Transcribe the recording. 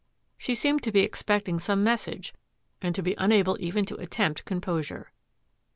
She seemed to be expecting some message and to be unable even to attempt composure.